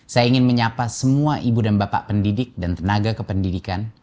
saya ingin menyapa semua ibu dan bapak pendidik dan tenaga kependidikan